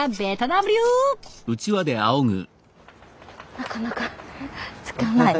なかなかつかないね。